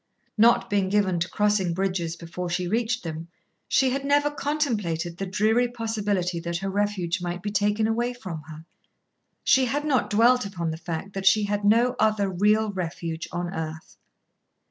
Not being given to crossing bridges before she reached them, she had never contemplated the dreary possibility that her refuge might be taken away from her. She had not dwelt upon the fact that she had no other real refuge on earth.